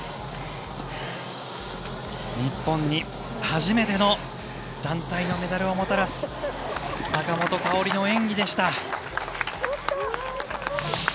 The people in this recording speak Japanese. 日本に初めての団体のメダルをもたらす坂本花織の演技でした。